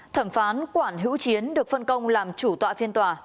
thẩm phán quản hữu chiến được phân công làm chủ tọa phiên tòa